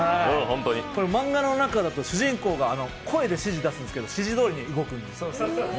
漫画の中だと主人公が声で指示出すんですけど指示どおりに動くんですね。